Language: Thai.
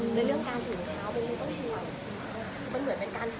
ไม่ได้ต่างว่า